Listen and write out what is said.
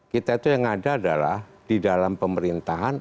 kita itu yang ada adalah di dalam pemerintahan